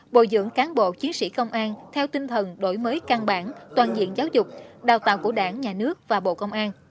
bồi dưỡng cán bộ chiến sĩ công an theo tinh thần đổi mới căn bản toàn diện giáo dục đào tạo của đảng nhà nước và bộ công an